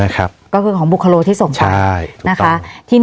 ก็คือของบุคโลที่ส่งไปนะครับใช่ถูกต้อง